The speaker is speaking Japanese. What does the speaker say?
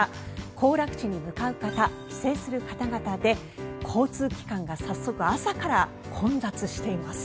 行楽地に向かう方帰省する方々で交通機関が早速、朝から混雑しています。